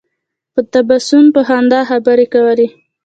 په تبسم په خندا خبرې کولې.